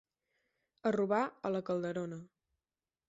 A robar, a la Calderona.